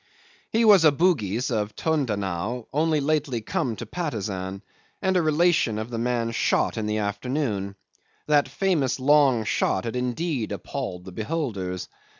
'He was a Bugis of Tondano only lately come to Patusan, and a relation of the man shot in the afternoon. That famous long shot had indeed appalled the beholders.